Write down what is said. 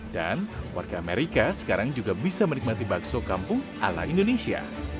dan warga amerika sekarang juga bisa menikmati bakso kampung ala indonesia